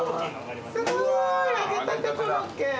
すごい揚げたてコロッケ。